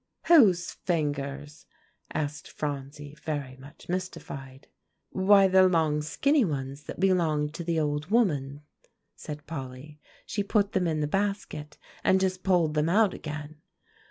"Whose fingers?" asked Phronsie very much mystified. "Why, the long skinny ones that belonged to the old woman," said Polly. "She put them in the basket, and just pulled them out again."